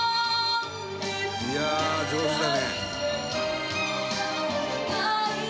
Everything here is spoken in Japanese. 「いや上手だね」